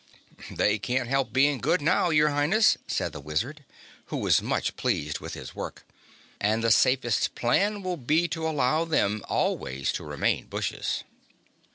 "They can't help being good now, your Highness," said the Wizard, who was much pleased with his work, "and the safest plan will be to allow them always to remain bushes."